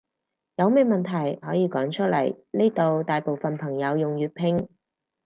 有咩問題可以講出來，呢度大部分朋友用粵拼